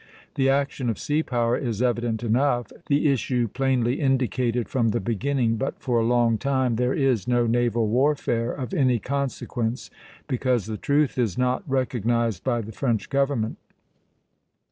The action of sea power is evident enough, the issue plainly indicated from the beginning; but for a long time there is no naval warfare of any consequence, because the truth is not recognized by the French government.